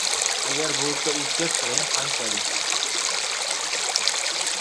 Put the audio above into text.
Agar bo‘lsa o‘tkir tig‘ing qanchalik